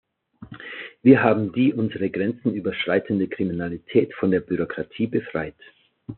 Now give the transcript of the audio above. Wir haben die unsere Grenzen überschreitende Kriminalität von der Bürokratie befreit.